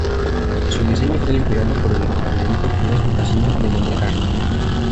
Su diseño fue inspirado por el opulento Place du Casino de Montecarlo.